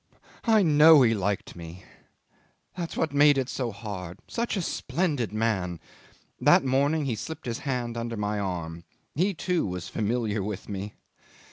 '"I know he liked me. That's what made it so hard. Such a splendid man! ... That morning he slipped his hand under my arm. ... He, too, was familiar with me."